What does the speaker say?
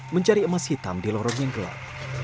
mencari emas hitam di lorong yang gelap